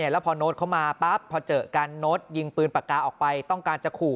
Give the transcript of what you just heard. แล้วพอโน้ตเข้ามาปั๊บพอเจอกันโน้ตยิงปืนปากกาออกไปต้องการจะขู่